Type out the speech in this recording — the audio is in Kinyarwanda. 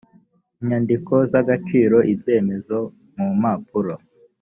inyandiko z agaciro ibyemezo mu mpapuro